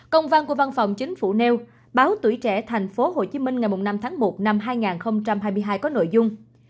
công văn của văn phòng chính phủ nêu báo tuổi trẻ thành phố hồ chí minh ngày năm tháng một năm hai nghìn hai mươi hai có nội dung